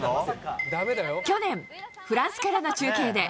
去年、フランスからの中継で。